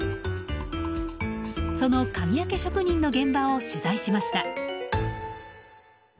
その鍵開け職人の現場を取材しました。